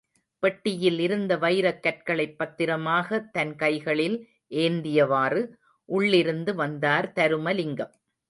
பெட்டியில் இருந்த வைரக்கற்களைப் பத்திரமாக தன் கைகளில் ஏந்தியவாறு, உள்ளிருந்து வந்தார் தருமலிங்கம்.